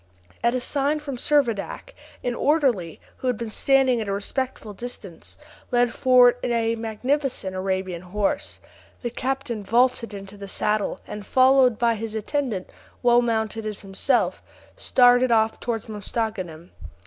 At a sign from Servadac, an orderly, who had been standing at a respectful distance, led forward a magnificent Arabian horse; the captain vaulted into the saddle, and followed by his attendant, well mounted as himself, started off towards Mostaganem.